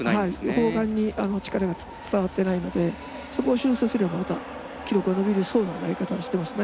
砲丸に力が伝わってないのでそこを修正すれば記録が伸びそうな投げ方をしていますね。